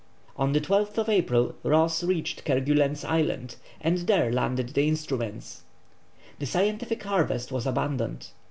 On the 12th April Ross reached Kerguelen's Island, and there landed his instruments. The scientific harvest was abundant.